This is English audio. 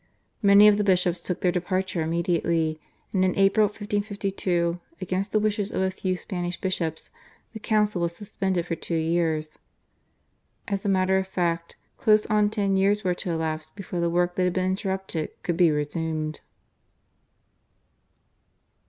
Many of the bishops took their departure immediately, and in April 1552 against the wishes of a few Spanish bishops the council was suspended for two years. As a matter of fact close on ten years were to elapse before the work that had been interrupted could be resumed.